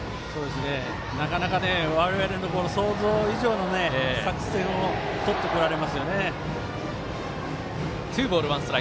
なかなか我々の想像以上の作戦をとってこられますよね。